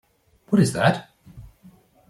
What is that?